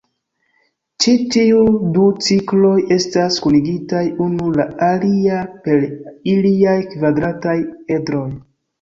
Ĉi tiuj du cikloj estas kunigitaj unu la alia per iliaj kvadrataj edroj.